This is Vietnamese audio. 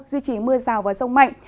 duy trì mưa rào và rông mạnh